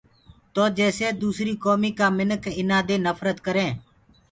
تو جيسي دوسريٚ ڪوميٚ ڪآ مِنک ايٚنآ دي نڦرت ڪَرينٚ۔